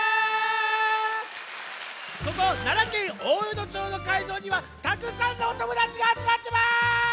ここ奈良県大淀町のかいじょうにはたくさんのおともだちがあつまってます！